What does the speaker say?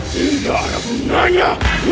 tidak ada pembunuhnya